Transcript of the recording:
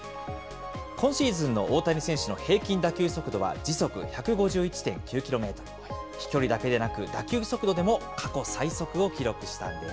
今シーズンの大谷選手の平均打球速度は時速１５１．９キロメートル、飛距離だけでなく、打球速度でも過去最速を記録したんです。